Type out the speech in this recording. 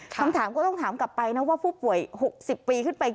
คำถามก็ต้องถามกลับไปนะว่าผู้ป่วย๖๐ปีขึ้นไป